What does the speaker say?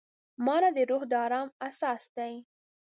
مانا د روح د ارام اساس دی.